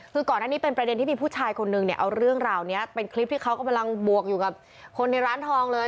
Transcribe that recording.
คือก่อนอันนี้เป็นประเด็นที่มีผู้ชายคนนึงเนี่ยเอาเรื่องราวนี้เป็นคลิปที่เขากำลังบวกอยู่กับคนในร้านทองเลย